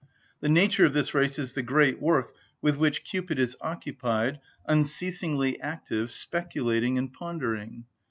The nature of this race is the great work with which Cupid is occupied, unceasingly active, speculating, and pondering.